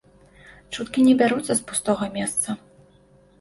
Чуткі не бяруцца з пустога месца.